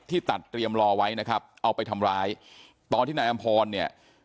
ตัดเตรียมรอไว้นะครับเอาไปทำร้ายตอนที่นายอำพรเนี่ย